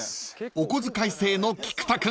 ［お小遣い制の菊田君